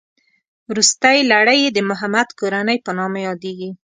روستۍ لړۍ یې د محمد کورنۍ په نامه یادېږي.